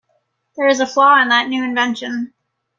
There is a flaw in that new invention.